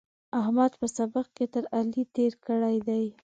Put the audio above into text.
احمد په سبق کې تر علي تېری کړی دی.